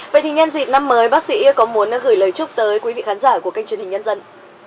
vậy thì nhân dịp năm mới bác sĩ có muốn gửi lời chúc tới quý vị khán giả của kênh truyền hình nhân dân